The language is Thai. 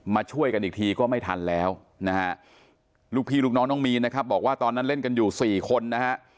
มาช่วยกันอีกทีก็ไม่ทันแล้วนะฮะลูกพี่ลูกน้องน้องมีนนะครับบอกว่าตอนนั้นเล่นกันอยู่สี่คนนะฮะ